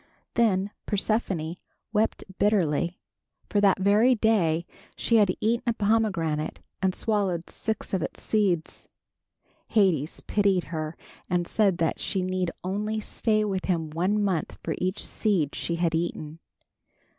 Then Persephone wept bitterly, for that very day she had eaten a pomegranate and swallowed six of its seeds. Hades pitied her and said that she need only stay with him one month for each seed she had eaten.